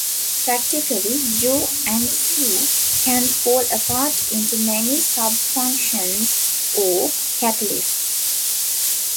Practically, 'u' and 'c' can fall apart into many subfunctions or catalysts.